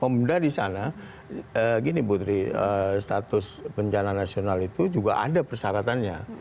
pemuda di sana gini putri status bencana nasional itu juga ada persyaratannya